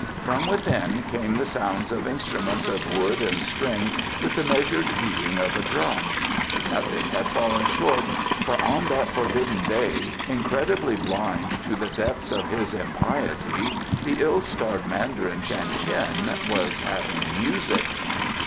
From within came the sounds of instruments of wood and string with the measured beating of a drum; nothing had fallen short, for on that forbidden day, incredibly blind to the depths of his impiety, the ill starred Mandarin Shan Tien was having music!